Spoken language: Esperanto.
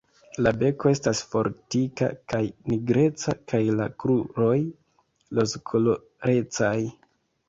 La beko estas fortika kaj nigreca kaj la kruroj rozkolorecaj.